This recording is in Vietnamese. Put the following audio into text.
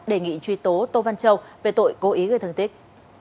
đề nghị truy tố tô văn châu về tội cố ý gây thương tích